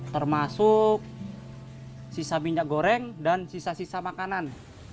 termasuk sisa minyak goreng dan sisa sisa makanan